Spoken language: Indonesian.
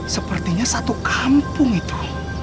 sepertinya satu kampung itu